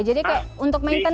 jadi untuk mencari